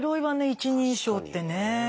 一人称ってね。